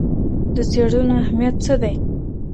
د څېړنو اهميت څه دی؟